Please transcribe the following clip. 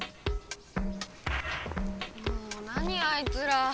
もう何あいつら。